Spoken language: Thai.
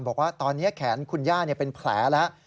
บอกว่าตอนนี้แขนคุณย่าเป็นแผลแล้ว